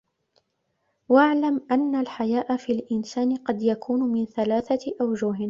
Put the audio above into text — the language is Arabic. وَاعْلَمْ أَنَّ الْحَيَاءَ فِي الْإِنْسَانِ قَدْ يَكُونُ مِنْ ثَلَاثَةِ أَوْجُهٍ